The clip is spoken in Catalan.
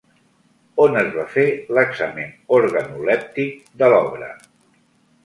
On es va fer l'examen organolèptic de l'obra?